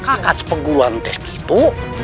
ngakak spengguruan tersgitu